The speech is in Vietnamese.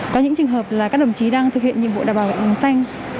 có những trường hợp là các đồng chí đang thực hiện nhiệm vụ đảm bảo bệnh sinh